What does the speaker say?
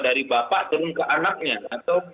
dari bapak turun ke anaknya atau